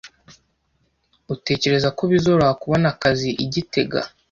Utekereza ko bizoroha kubona akazi i gitega?